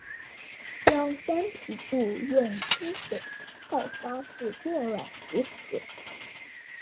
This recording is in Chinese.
将干皮肚用清水泡发至变软即可。